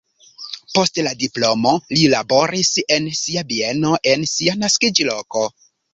Post la diplomo li laboris en sia bieno en sia naskiĝloko.